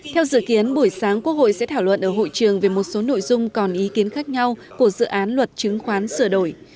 theo dự kiến buổi sáng quốc hội sẽ thảo luận ở hội trường về một số nội dung còn ý kiến khác nhau của dự án luật chứng khoán sửa đổi